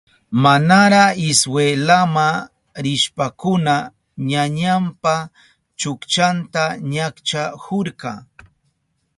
Manara iskwelama rishpankuna ñañanpa chukchanta ñakchahurka.